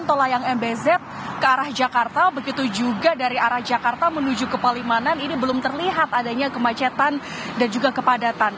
tol layang mbz ke arah jakarta begitu juga dari arah jakarta menuju ke palimanan ini belum terlihat adanya kemacetan dan juga kepadatan